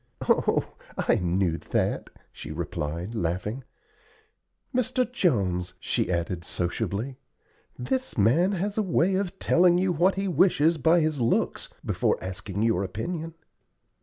"Oh, I knew that," she replied, laughing. "Mr. Jones," she added, sociably, "this man has a way of telling you what he wishes by his looks before asking your opinion."